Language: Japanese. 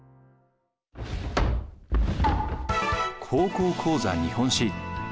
「高校講座日本史」。